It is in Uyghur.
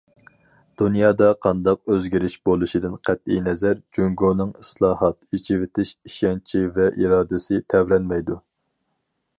دۇنيادا قانداق ئۆزگىرىش بولۇشىدىن قەتئىينەزەر، جۇڭگونىڭ ئىسلاھات، ئېچىۋېتىش ئىشەنچى ۋە ئىرادىسى تەۋرەنمەيدۇ.